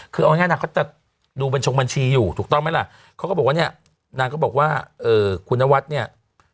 คือเอาง่ายนางเขาจะดูบัญชงบัญชีอยู่ถูกต้องไหมล่ะเขาก็บอกว่าเนี่ยนางก็บอกว่าคุณนวัดเนี่ย